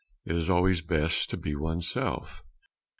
It is always best to be one's self.